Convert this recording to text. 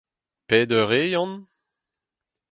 Pet eur eo, Yann ?